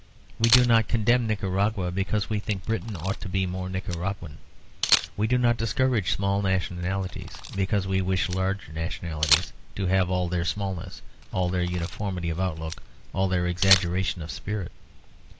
We do not condemn Nicaragua because we think Britain ought to be more Nicaraguan. We do not discourage small nationalities because we wish large nationalities to have all their smallness, all their uniformity of outlook, all their exaggeration of spirit.